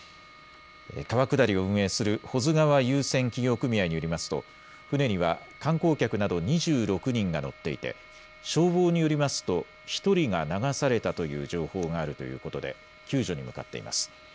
川下りを運営する保津川遊船企業組合によりますと舟には観光客など２６人が乗っていて消防によりますと１人が流されたという情報があるということで救助に向かっています。